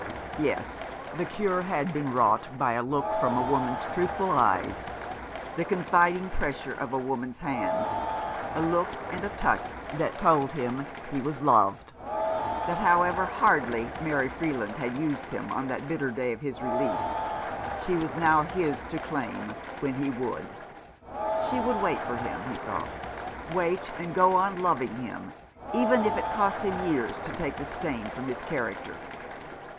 Yes, the cure had been wrought by a look from a woman's truthful eyes, the confiding pressure of a woman's hand, a look and touch that told him he was loved, that however hardly Mary Freeland had used him on that bitter day of his release, she was now his to claim when he would. She would wait for him, he thought, wait and go on loving him even if it cost him years to take the stain from his character.